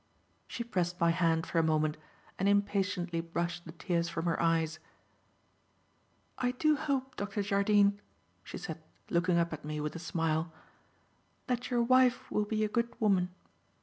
She pressed my hand for a moment and impatiently brushed the tears from her eyes. "I do hope, Dr. Jardine." she said, looking up at me with a smile, "that your wife will be a good woman.